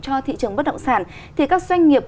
cho thị trường bất động sản thì các doanh nghiệp